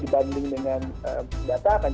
dibanding dengan data akan